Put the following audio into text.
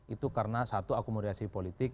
itu karena satu akomodasi politik